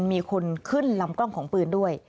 มีคนขึ้นลำกล้องของปืนด้วย